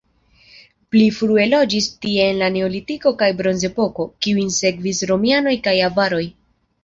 Pli frue loĝis tie en la neolitiko kaj bronzepoko, kiujn sekvis romianoj kaj avaroj.